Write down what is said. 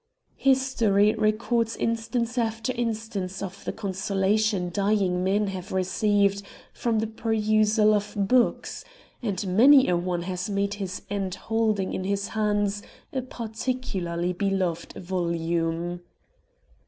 History records instance after instance of the consolation dying men have received from the perusal of books, and many a one has made his end holding in his hands a particularly beloved volume.